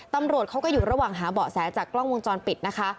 ตำรวจเขาก็อยู่ระหว่างหาเบาะแสจากกล้องวงจรปิดนะคะ